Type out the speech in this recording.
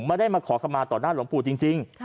ไม่ได้มาขอคำมาต่อหน้าหลวงปู่จริง